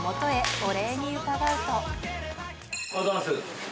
おはようございます。